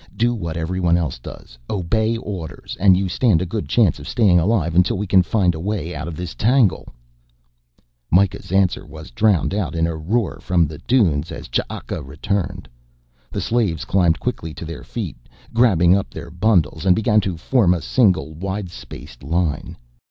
Do what everyone else does, obey orders, and you stand a good chance of staying alive until we can find a way out of this tangle." Mikah's answer was drowned out in a roar from the dunes as Ch'aka returned. The slaves climbed quickly to their feet, grabbing up their bundles, and began to form a single widespaced line.